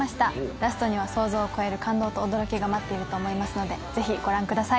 ラストには想像を超える感動と驚きが待っていると思いますのでぜひご覧ください。